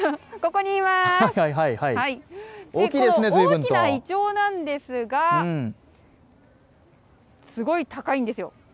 この大きなイチョウなんですがすごい高いんですよ。